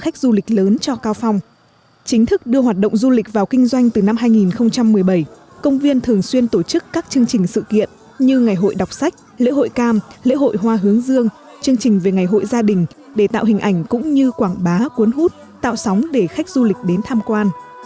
chính thức đưa hoạt động du lịch vào kinh doanh từ năm hai nghìn một mươi bảy công viên thường xuyên tổ chức các chương trình sự kiện như ngày hội đọc sách lễ hội cam lễ hội hoa hướng dương chương trình về ngày hội gia đình để tạo hình ảnh cũng như quảng bá cuốn hút tạo sóng để khách du lịch đến tham quan